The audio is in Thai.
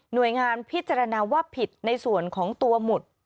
โดยงานพิจารณาว่าผิดในส่วนของตัวหมุด